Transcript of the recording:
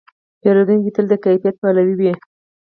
پیرودونکی تل د کیفیت پلوي وي.